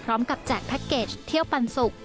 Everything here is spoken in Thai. พร้อมกับแจกแพ็คเกจเที่ยวปันสุก